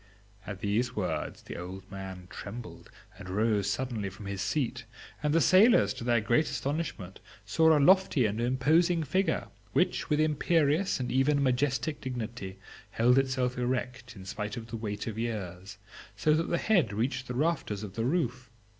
At these words the old man trembled and rose suddenly from his seat, and the sailors, to their great astonishment, saw a lofty and imposing figure, which, with imperious and even majestic dignity, held itself erect in spite of the weight of years, so that the head reached the rafters of the roof.